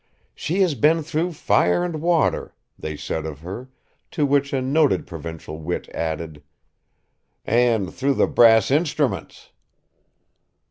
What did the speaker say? "She has been through fire and water," they said of her, to which a noted provincial wit added "And through the brass instruments."